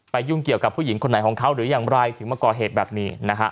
ยุ่งเกี่ยวกับผู้หญิงคนไหนของเขาหรืออย่างไรถึงมาก่อเหตุแบบนี้นะฮะ